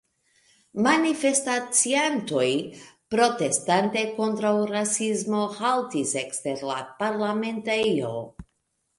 Manifestaciantoj, protestante kontraŭ rasismo, haltis ekster la parlamentejo.